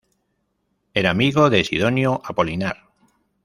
Era amigo de Sidonio Apolinar.